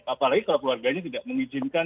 apalagi kalau keluarganya tidak mengizinkan